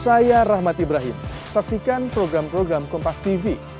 saya rahmat ibrahim saksikan program program kompas tv